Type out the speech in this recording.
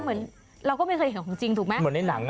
เหมือนในหนัง